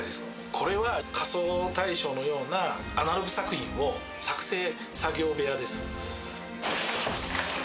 これは仮装大賞のようなアナログ作品を作成、作業部屋です。